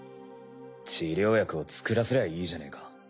治療薬を作らせりゃいいじゃねえか。